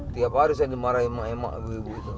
tiap hari saya dimarahin sama emak ibu ibu itu